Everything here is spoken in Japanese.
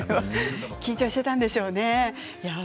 緊張していたんでしょうね。